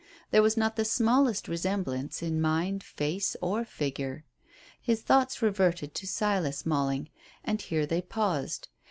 There was not the smallest resemblance in mind, face, or figure. His thoughts reverted to Silas Malling, and here they paused.